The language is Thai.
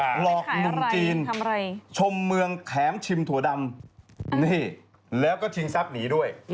หลอกหนุ่มจีนชมเมืองแถมชิมถั่วดำนี่แล้วก็ชิงทรัพย์หนีด้วย